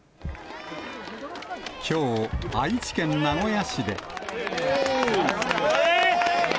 きょう、愛知県名古屋市で。